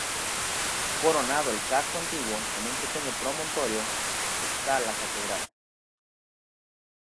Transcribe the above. Coronando el Casco Antiguo, en un pequeño promontorio, esta la catedral.